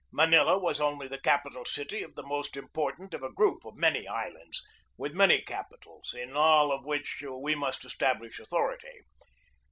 Manila was only the capital city of the most important of a group of many islands, with many capitals, in all of which we must establish authority.